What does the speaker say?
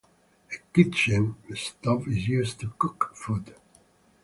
A kitchen stove is used to cook food.